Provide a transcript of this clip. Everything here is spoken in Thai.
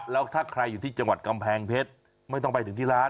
แล้วถ้าใครอยู่ที่จังหวัดกำแพงเพชรไม่ต้องไปถึงที่ร้าน